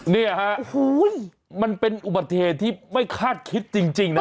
เนี่ยฮะมันเป็นอุบัติเหตุที่ไม่คาดคิดจริงนะ